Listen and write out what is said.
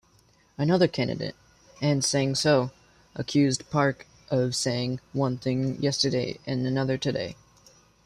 Another candidate, Ahn Sang-soo, accused Park of "saying one thing yesterday and another today".